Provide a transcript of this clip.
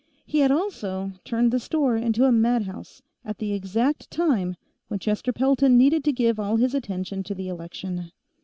He had also turned the store into a madhouse at the exact time when Chester Pelton needed to give all his attention to the election.